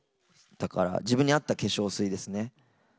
自分に合った化粧水ですね。